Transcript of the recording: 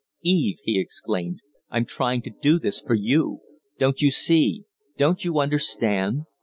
Eve," he exclaimed, suddenly, "I'm trying to do this for you. Don't you see? Don't you understand?